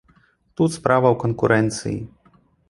Тут справа ў канкурэнцыі.